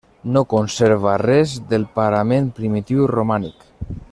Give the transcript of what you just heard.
No conserva res del parament primitiu romànic.